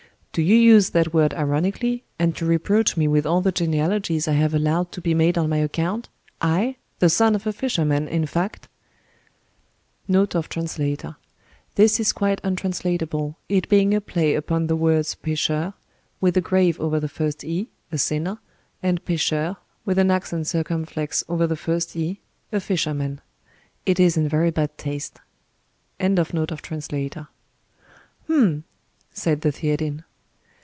"Do you use that word ironically, and to reproach me with all the genealogies I have allowed to be made on my account—I—the son of a fisherman, in fact?" [This is quite untranslatable—it being a play upon the words pecheur (with a grave over the first e), a sinner, and pecheur (with an accent circumflex over the first e), a fisherman. It is in very bad taste.—TRANS.] "Hum!" said the Theatin.